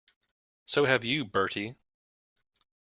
So have you, Bertie.